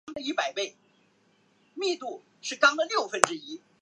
台北市国民中学列表表列出台湾台北市各分区的国民中学。